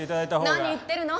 何言ってるの。